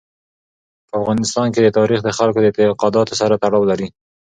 په افغانستان کې تاریخ د خلکو د اعتقاداتو سره تړاو لري.